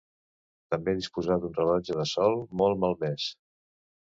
També disposa d'un rellotge de sol molt malmès.